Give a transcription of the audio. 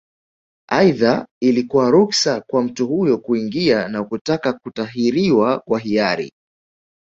Aidha ilikuwa ruksa kwa mtu huyo kuingia na kutaka kutahiriwa kwa hiari